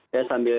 ya sambil terus